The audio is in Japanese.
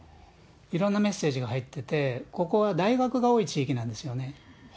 いろんなメッセージが入ってて、ここは大学が多い地域なんですよね。